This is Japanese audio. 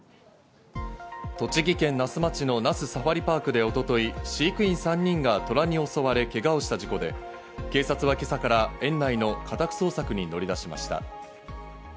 栃木県那須町の那須サファリパークで一昨日、飼育員３人がトラに襲われけがをした事故で、警察は今朝から園内の家宅捜索に乗り出しました。